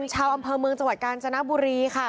ชาวอำเภอเมืองจังหวัดกาญจนบุรีค่ะ